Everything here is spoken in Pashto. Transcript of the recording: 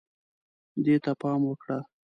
دې ته پام وکړه